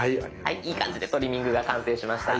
いい感じでトリミングが完成しました。